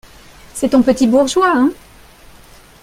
C'est ton petit bourgeois, hein?